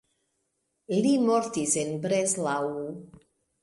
Li mortis en Breslau.